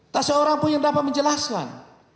tak seorang pun yang dapat menjelaskan